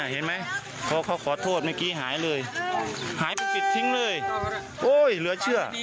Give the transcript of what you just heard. เห็นไหมพอเขาขอโทษเมื่อกี้หายเลยหายไปปิดทิ้งเลยโอ้ยเหลือเชื่อ